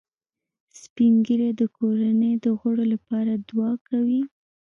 سپین ږیری د کورنۍ د غړو لپاره دعا کوي